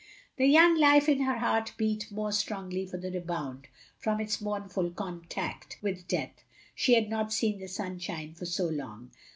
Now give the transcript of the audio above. The young life in her heart beat more strongly for the rebound from its mournful contact with death. She had not seen the sunshine for so long.